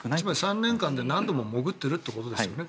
３年間で何回も潜っているということですよね。